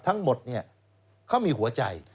ทั้งหมดเขามีหัวใจ